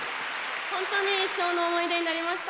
本当に、一生の思い出になりました。